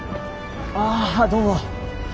ああどうも。